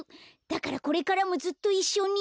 だからこれからもずっといっしょに。